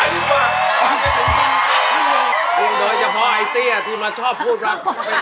เงินโดยเฉพาะอีตี้ที่มาชอบพูดกลาง